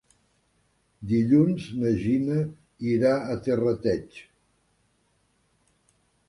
Dilluns na Gina irà a Terrateig.